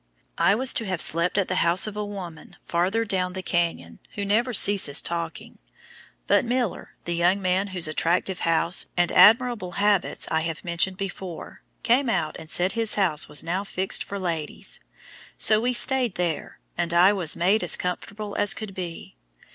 I was to have slept at the house of a woman farther down the canyon, who never ceases talking, but Miller, the young man whose attractive house and admirable habits I have mentioned before, came out and said his house was "now fixed for ladies," so we stayed there, and I was "made as comfortable" as could be.